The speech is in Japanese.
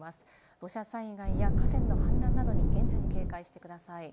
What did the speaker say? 土砂災害や河川の氾濫などに厳重に警戒してください。